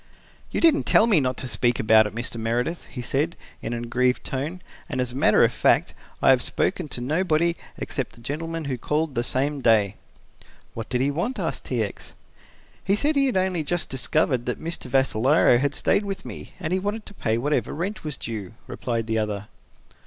"You didn't tell me not to speak about it, Mr. Meredith," he said, in an aggrieved tone, "and as a matter of fact I have spoken to nobody except the gentleman who called the same day." "What did he want?" asked T. X. "He said he had only just discovered that Mr. Vassalaro had stayed with me and he wanted to pay whatever rent was due," replied the other.